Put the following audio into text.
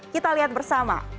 kita lihat bersama